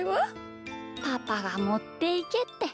パパがもっていけって。